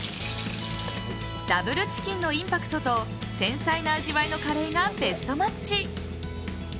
ダブルチキンのインパクトと繊細な味わいのカレーがベストマッチ。